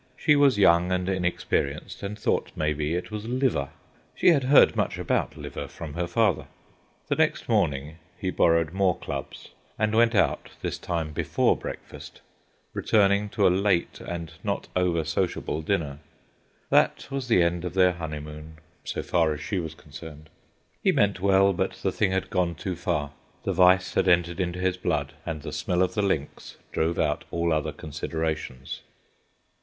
She was young and inexperienced, and thought, maybe, it was liver. She had heard much about liver from her father. The next morning he borrowed more clubs, and went out, this time before breakfast, returning to a late and not over sociable dinner. That was the end of their honeymoon so far as she was concerned. He meant well, but the thing had gone too far. The vice had entered into his blood, and the smell of the links drove out all other considerations.